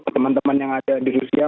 teman teman yang ada di rusia